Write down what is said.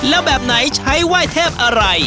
แล้วแบบไหนใช้ไหว้เทพอะไร